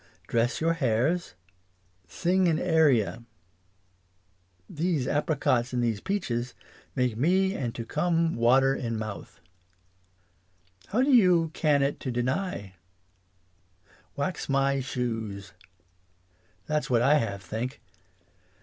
Dress your hairs. Sing an area. These apricots and these peaches make me and to come water in mouth. 1 8 English as she is spoke. How do you can it to deny ? Wax my shoes. That is that I have think.